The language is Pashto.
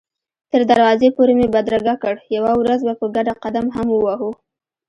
تر دروازې پورې مې بدرګه کړ، یوه ورځ به په ګډه قدم هم ووهو.